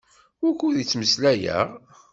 Wukud i ttmeslayeɣ?